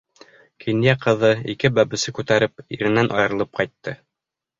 Кинйә ҡыҙы, ике бәпесен күтәреп, иренән айырылып ҡайтты.